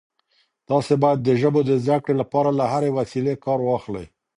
تاسي باید د ژبو د زده کړې لپاره له هرې وسیلې کار واخلئ.